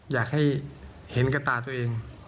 อยากให้เห็นกับตาตัวเอง